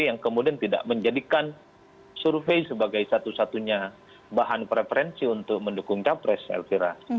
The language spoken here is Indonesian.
yang kemudian tidak menjadikan survei sebagai satu satunya bahan preferensi untuk mendukung capres elvira